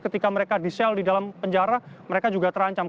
ketika mereka di sel di dalam penjara mereka juga terancam